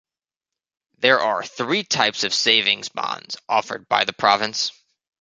There are three types of savings bonds offered by the province.